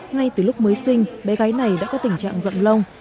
ngay từ lúc mới sinh bé gái này đã có tình trạng rộng long